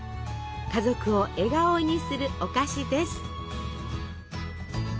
家族を笑顔にするお菓子です。